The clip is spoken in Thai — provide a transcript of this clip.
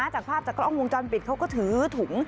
จากภาพจากกล้องวงจรปิดเขาก็ถือถุง